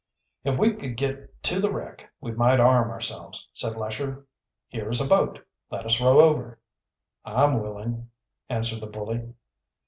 "If we could get to the wreck we might arm ourselves," said Lesher. "Here is a boat; let us row over." "I'm willing," answered the bully.